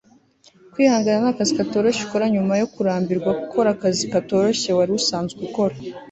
kwihangana nakazi katoroshye ukora nyuma yo kurambirwa gukora akazi katoroshye wari usanzwe ukora